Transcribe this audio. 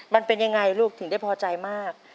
มันเป็นยังไงลูกถึงได้พอใจมาก